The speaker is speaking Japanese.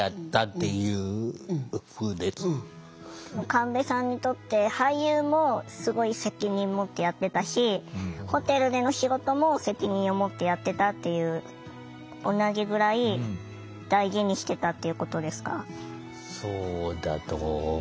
神戸さんにとって俳優もすごい責任持ってやってたしホテルでの仕事も責任を持ってやってたっていう同じぐらい大事にしてたっていうことですか？